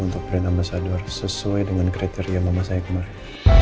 untuk beri nama sadur sesuai dengan kriteria mama saya kemarin